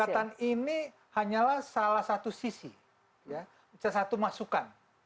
catatan ini hanyalah salah satu sisi salah satu masukan